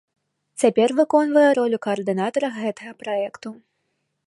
Цяпер выконвае ролю каардынатара гэтага праекту.